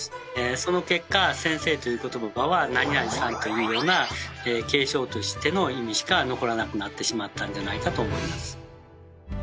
その結果先生という言葉は「何々さん」というような敬称としての意味しか残らなくなってしまったんじゃないかと思います。